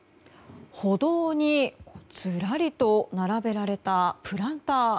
歩道にずらりと並べられたプランター。